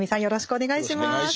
よろしくお願いします。